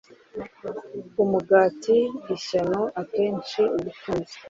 umugati, ishyano! akenshi ubutunzi